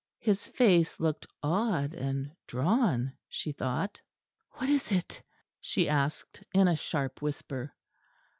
His face looked odd and drawn, she thought. "What is it?" she asked in a sharp whisper.